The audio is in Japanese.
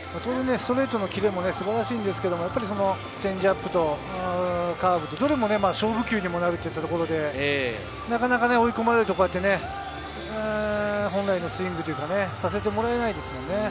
ストレートのキレも素晴らしいんですけれど、チェンジアップとカーブとどれも勝負球にもなるといったところでなかなか追い込まれると、本来のスイングをさせてもらえないですよね。